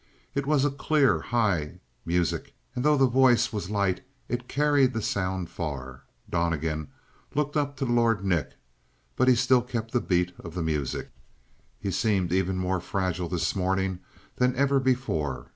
It was a clear, high music, and though the voice was light it carried the sound far. Donnegan looked up to Lord Nick; but still he kept the beat of the music. He seemed even more fragile this morning than ever before.